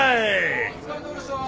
お疲れさまでした！